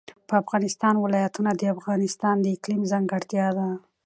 د افغانستان ولايتونه د افغانستان د اقلیم ځانګړتیا ده.